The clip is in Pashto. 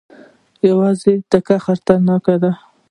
یوازې تګ خطرناک دی.